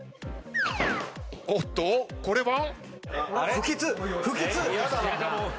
おっとこれは？